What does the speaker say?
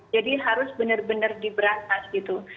jadi harus benar benar di beratas gitu